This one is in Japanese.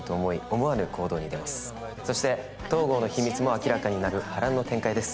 思わぬ行動に出ますそして東郷の秘密も明らかになる波乱の展開です